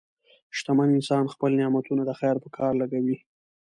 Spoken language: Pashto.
شتمن انسان خپل نعمتونه د خیر په کار لګوي.